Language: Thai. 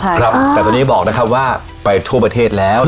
แต่ตอนนี้บอกนะครับว่าไปทั่วประเทศแล้ว